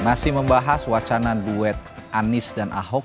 masih membahas wacana duet anies dan ahok